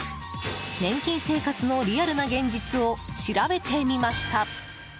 年金生活のリアルな現実を調べてみました。